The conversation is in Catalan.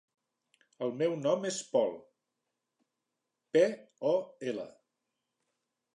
El meu nom és Pol: pe, o, ela.